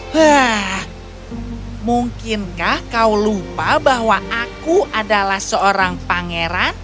hah mungkinkah kau lupa bahwa aku adalah seorang pangeran